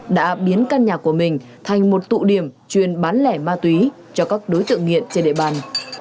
đã biến căn nhà của mình thành một tụ điểm chuyên bán lẻ ma túy cho các đối tượng nghiện trên địa bàn